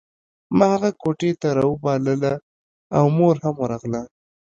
ما هغه کوټې ته راوبلله او مور هم ورغله